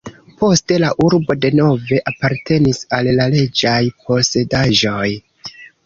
Poste la urbo denove apartenis al la reĝaj posedaĵoj.